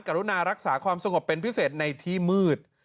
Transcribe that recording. รุณารักษาความสงบเป็นพิเศษในที่มืด